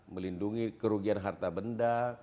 melindungi kerugian harta benda